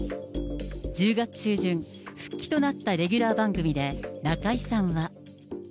１０月中旬、復帰となったレギュラー番組で、中居さんは。